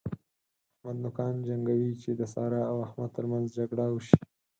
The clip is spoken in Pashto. احمد نوکان جنګوي چې د سارا او احمد تر منځ جګړه وشي.